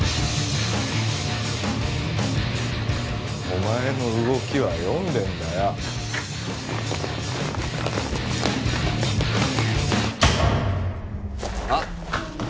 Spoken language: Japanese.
お前の動きは読んでんだよあっ